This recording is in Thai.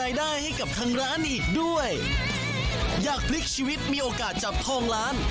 อยากพลิกชีวิตได้โอกาสจับทรงร้าน